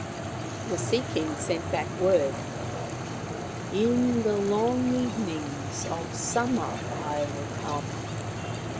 The Sea King sent back word :" In the long evenings of summer I will come."